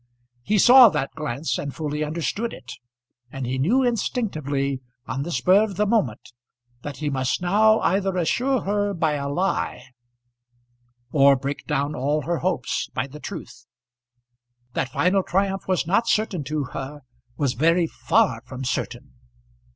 He saw that glance, and fully understood it; and he knew instinctively, on the spur of the moment, that he must now either assure her by a lie, or break down all her hopes by the truth. That final triumph was not certain to her was very far from certain!